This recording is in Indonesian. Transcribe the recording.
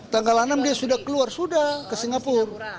tanggal enam dia sudah keluar sudah ke singapura